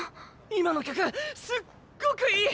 今の曲すっごくいい！